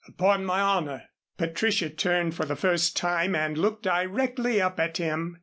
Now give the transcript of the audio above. "Upon my honor." Patricia turned for the first time and looked directly up at him.